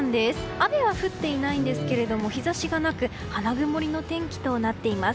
雨は降っていないんですけれども日差しがなく花曇りの天気となっています。